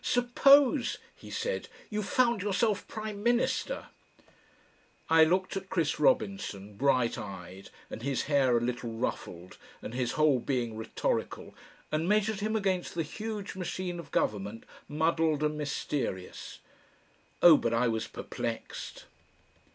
"Suppose," he said, "you found yourself prime minister " I looked at Chris Robinson, bright eyed and his hair a little ruffled and his whole being rhetorical, and measured him against the huge machine of government muddled and mysterious. Oh! but I was perplexed!